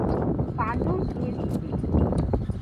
পাণ্ডুর দুই স্ত্রী।